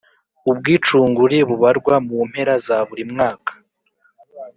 Ubwicungure bubarwa mu mpera za buri mwaka